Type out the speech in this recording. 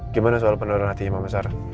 gimana soal pendonoran hati mama sarah